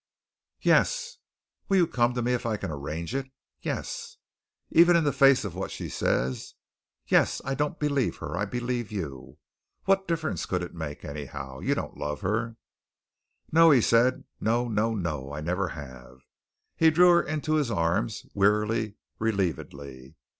"Yes." "Will you come to me if I can arrange it?" "Yes." "Even in the face of what she says?" "Yes; I don't believe her. I believe you. What difference could it make, anyhow? You don't love her." "No," he said; "no, no, no! I never have." He drew her into his arms wearily, relievedly.